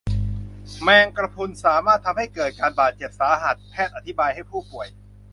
แมงกะพรุนสามารถทำให้เกิดการบาดเจ็บสาหัสแพทย์อธิบายให้ผู้ป่วย